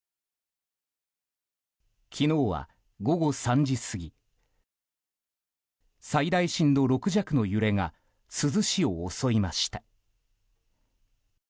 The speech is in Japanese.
昨日は午後３時過ぎ最大震度６弱の揺れが珠洲市を襲いました。